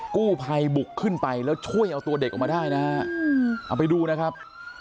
กู้ภัยบุกขึ้นไปแล้วช่วยเอาตัวเด็กออกมาได้นะฮะเอาไปดูนะครับ